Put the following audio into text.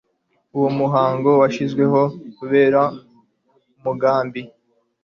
Uwo muhango washyizweho kubera umugambi.